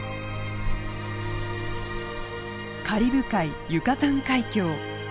カリブ海ユカタン海峡。